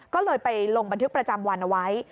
ก็เลยไปลงบันทึกประจำวันเอาไว้